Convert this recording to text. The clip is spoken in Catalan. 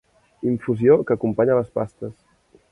Infusió que acompanya les pastes.